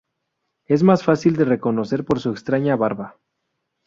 Es más fácil de reconocer por su extraña barba.